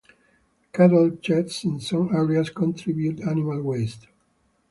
Cattle sheds in some areas contribute animal waste.